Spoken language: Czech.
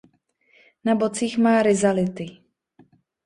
Na bocích má rizality.